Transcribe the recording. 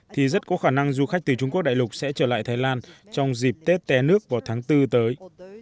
thì rất có khả năng du khách từ trung quốc đại lục sẽ trở lại thái lan trong dịp tết té nước vào tháng bốn tới